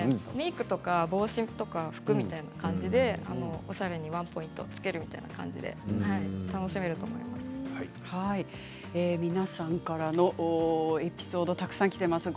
メークや帽子や服みたいな感じでおしゃれのワンポイントつけるみたいな感じで皆さんからのエピソードたくさんきています。